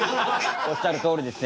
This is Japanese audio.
おっしゃるとおりです